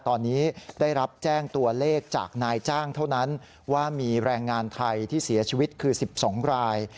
ตอนนี้ได้รับแจ้งตัวเลขจากนายจ้างเท่านั้นว่ามีแรงงานไทยที่เสียชีวิตคือ๑๒ราย